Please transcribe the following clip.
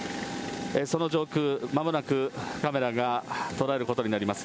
その上空、まもなくカメラが捉えることになります。